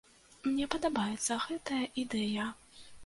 Мне падабаецца гэтая ідэя!